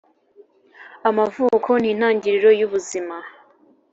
amavuko nintangiriro yubuzima.